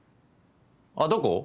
あっどこ？